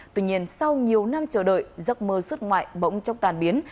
tuy nhiên sau nhiều năm chờ đợi giấc mơ xuất ngoại bỗng chốc tàn biến